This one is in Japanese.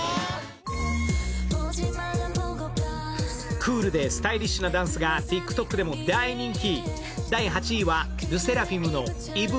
クールでスタイリッシュなダンスがＴｉｋＴｏｋでも大人気。